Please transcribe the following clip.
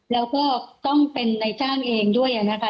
แล้วก็ต้องเป็นนายจ้างเองด้วยนะคะ